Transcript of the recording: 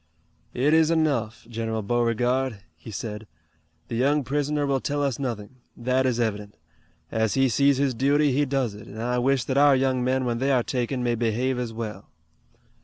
"It is enough, General Beauregard," he said. "The young prisoner will tell us nothing. That is evident. As he sees his duty he does it, and I wish that our young men when they are taken may behave as well.